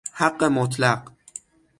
حق مطلق